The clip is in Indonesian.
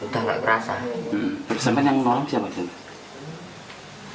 terus semen yang menolong siapa